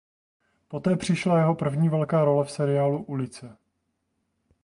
Poté přišla jeho první velká role v seriálu "Ulice".